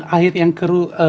air yang keru